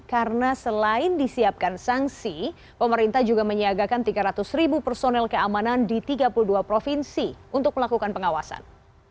karena selain disiapkan sanksi pemerintah juga menyiagakan tiga ratus ribu personel keamanan di tiga puluh dua provinsi untuk melakukan pengawasan